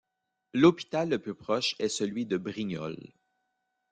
L'hôpital le plus proche est celui de Brignoles.